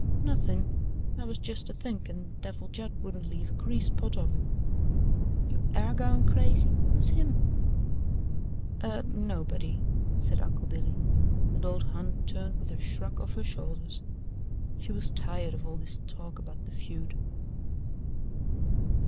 "Nothin'; I was jest a thinkin' Devil Judd wouldn't leave a grease spot of him." "You AIR goin' crazy who's him?" "Uh nobody," said Uncle Billy, and old Hon turned with a shrug of her shoulders she was tired of all this talk about the feud.